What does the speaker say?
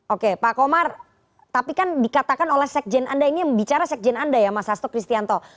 oke pak komar tapi kan dikatakan oleh sekjen anda ini yang bicara sekjen anda ya mas hasto kristianto